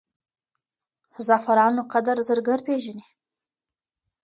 زعفرانو قدر زرګر پېژني.